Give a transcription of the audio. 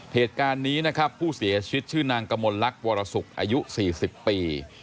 เหตุการณ์นี้นะครับผู้เสียชีวิตชื่อนางกมลลักษวรสุกอายุ๔๐ปี